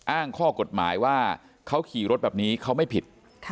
อ้างข้อกฎหมายว่าเขาขี่รถแบบนี้เขาไม่ผิด